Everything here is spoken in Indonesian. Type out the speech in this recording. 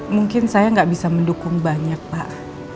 mungkin saya nggak bisa mendukung banyak pak